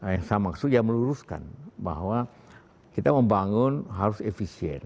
yang sama maksudnya meluruskan bahwa kita membangun harus efisien